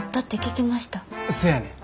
せやねん。